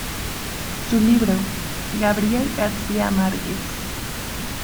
Su libro "Gabriel García Márquez.